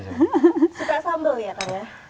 suka sambel ya tanda